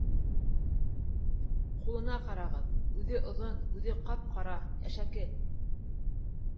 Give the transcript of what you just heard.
Ҡулына ҡарағыҙ, үҙе оҙон, үҙе ҡап-ҡара, әшәке!